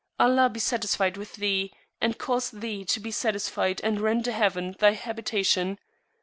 Allah be satisfied with Thee, and cause Thee to be satisfied, and render Heaven thy Habitation!